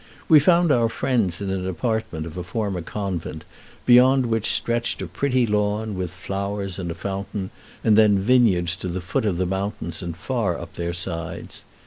We found our friends in an apartment of a former convent, behind which stretched a pretty lawn, with flowers and a fountain, and then vineyards to the foot of the mountains and far up their sides.